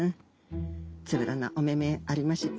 つぶらなおめめありまして。